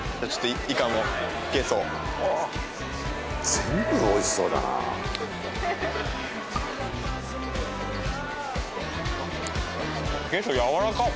全部おいしそうだなゲソやわらかっ